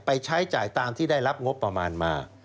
ใช้จ่ายตามที่ได้รับงบประมาณมา